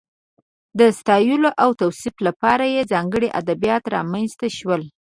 د ستایلو او توصیف لپاره یې ځانګړي ادبیات رامنځته شول.